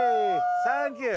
サンキュー。